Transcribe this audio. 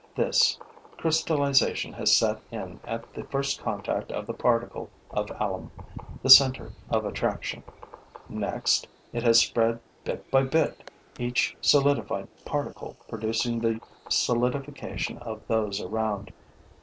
This: crystallization has set in at the first contact of the particle of alum, the center of attraction; next, it has spread bit by bit, each solidified particle producing the solidification of those around.